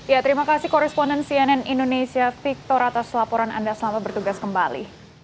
ya terima kasih koresponden cnn indonesia victor atas laporan anda selamat bertugas kembali